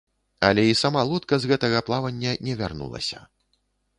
Але і сама лодка з гэтага плавання не вярнулася.